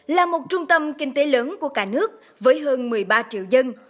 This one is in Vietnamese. là một trung tâm kinh tế lớn của cả nước với hơn một mươi ba triệu dân